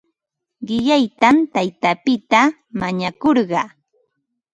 Qillaytam taytapita mañakurqaa.